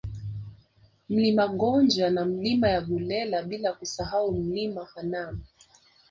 Mlima Gonja na Milima ya Gulela bila kusahau Mlima Hanang